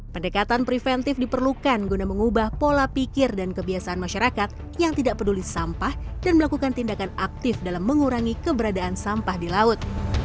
pendekatan preventif diperlukan guna mengubah pola pikir dan kebiasaan masyarakat yang tidak peduli sampah dan melakukan tindakan aktif dalam mengurangi keberadaan sampah di laut